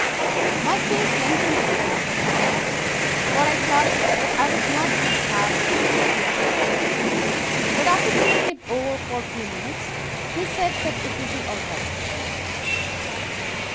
"My face lengthened at this, Mr. Holmes, for I thought that I was not to have the vacancy after all; but after thinking it over for a few minutes he said that it would be all right.